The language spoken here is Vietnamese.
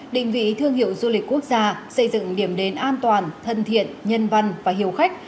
định vị thương hiệu du lịch quốc gia xây dựng điểm đến an toàn thân thiện nhân văn và hiếu khách